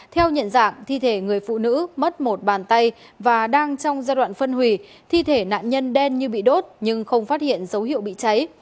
theo nhận dạng thi thể người phụ nữ mất một bàn tay và đang trong giai đoạn phân hủy thi thể nạn nhân đen như bị đốt nhưng không phát hiện dấu hiệu bị cháy